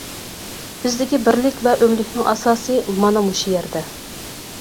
بىزدىكى بىرلىك ۋە ئۆملۈكنىڭ ئاساسى مانا شۇ يەردە!